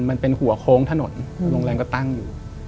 มันเป็นหัวโค้งถนนโรงแรมก็ตั้งอยู่